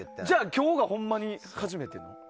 今日がほんまに初めて。